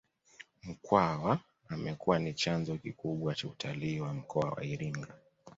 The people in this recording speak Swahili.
Mkwawa amekuwa ni chanzo kikubwa cha utalii wa mkoa wa Iringa